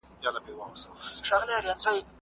د علمي تحقیق پایلي باید د خلکو توجه ترلاسه کړي.